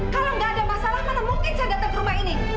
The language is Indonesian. kalau nggak ada masalah karena mungkin saya datang ke rumah ini